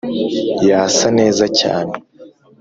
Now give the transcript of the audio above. yasa neza cyane.